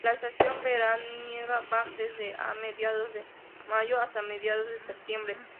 La estación veraniega va desde A Mediados de mayo hasta mediados de septiembre.